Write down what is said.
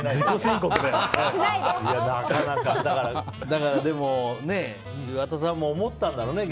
だから、岩田さんも思ったんだろうね。